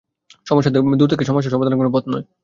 সমস্যা থেকে দূরে সরে যাওয়া সমস্যা সমাধানের কোনো পথ নয়।